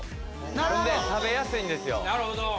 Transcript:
・なるほど・ほんで食べやすいんですよ。